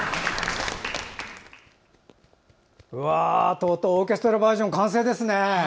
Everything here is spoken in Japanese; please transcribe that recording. とうとうオーケストラバージョン完成ですね。